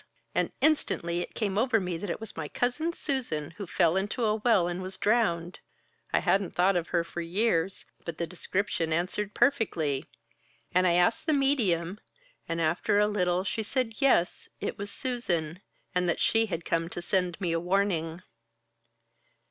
And instantly, it came over me that it was my Cousin Susan who fell into a well and was drowned. I hadn't thought of her for years, but the description answered perfectly. And I asked the medium, and after a little, she said yes, it was Susan, and that she had come to send me a warning."